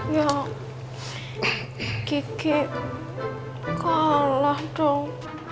ya kiki kalah dong